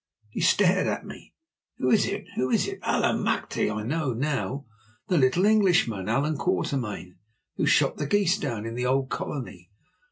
He stared at me. "Who is it? Who is it? Allemachte! I know now. The little Englishman, Allan Quatermain, who shot the geese down in the Old Colony.